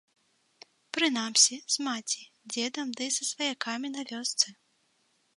Прынамсі, з маці, дзедам ды са сваякамі на вёсцы.